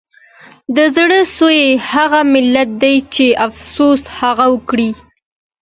د زړه سوي هغه ملت دی د افسوس هغه وګړي